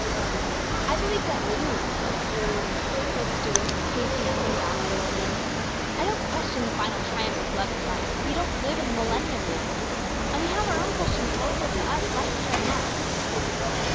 " I believe that, too," said Stuart, pacing up and down the little room. " I don't question the final triumph of love and right. But we don't live in the millennium yet. And we have our own questions local to us right here and now."